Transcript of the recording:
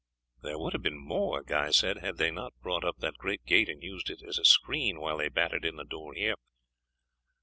"There would have been more," Guy said, "had they not brought up that great gate and used it as a screen while they battered in the door here."